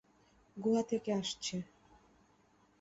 গুহা থেকে আসছে।